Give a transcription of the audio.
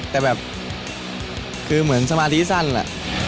แต่แบบคือเหมือนสมาธิสั้นแหละ